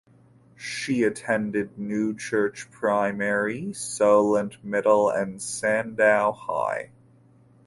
She attended Newchurch Primary, Solent Middle and Sandown High.